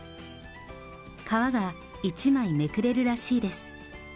皮が１枚めくれるらしいです。